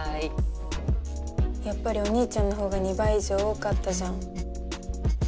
やっぱりお兄ちゃんのほうが２倍以上多かったじゃん。